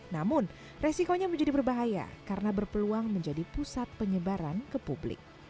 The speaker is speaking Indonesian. namun resikonya menjadi berbahaya karena berpeluang menjadi pusat penyebaran ke publik